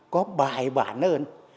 có bài bản hơn